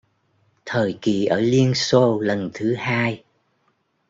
Thời kỳ ở Liên Xô lần thứ hai